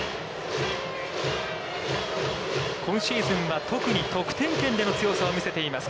今シーズンは特に得点圏での強さを見せています